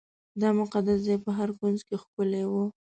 دا مقدس ځای په هر کونج کې ښکلی و.